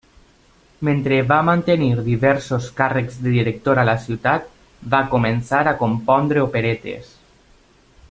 Mentre va mantenir diversos càrrecs de director a la ciutat, va començar a compondre operetes.